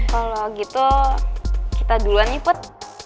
kalo gitu kita duluan ya put